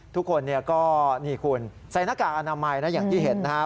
ทุกคนก็นี่คุณใส่หน้ากากอนามัยนะอย่างที่เห็นนะครับ